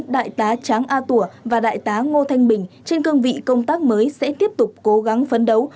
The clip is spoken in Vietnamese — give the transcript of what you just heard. đại tá tráng a tủa và đại tá ngô thanh bình trên cương vị công tác mới sẽ tiếp tục cố gắng phấn đấu